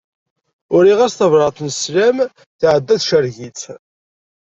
Uriɣ-as tabrat n sslam, tɛedda tcerreg-itt.